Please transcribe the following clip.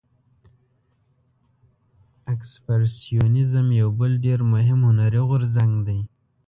اکسپرسیونیزم یو بل ډیر مهم هنري غورځنګ دی.